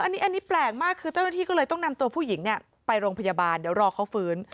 อันนี้แปลกมากคือเจ้าหน้าที่ก็เลยต้องนำตัวผู้หญิงไปโรงพยาบาลเดี๋ยวรอเขาฟื้น